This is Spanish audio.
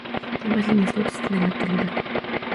Ambas líneas coexisten en la actualidad.